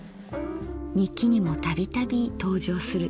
日記にも度々登場する。